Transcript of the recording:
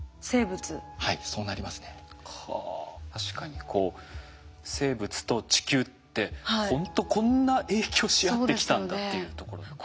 確かにこう生物と地球ってほんとこんな影響し合ってきたんだっていうところ。